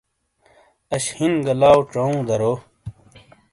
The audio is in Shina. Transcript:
آش ہن گہ لاؤ ژوں درو ۔